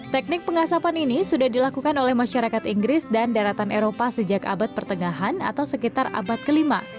teknik pengasapan ini sudah dilakukan oleh masyarakat inggris dan daratan eropa sejak abad pertengahan atau sekitar abad kelima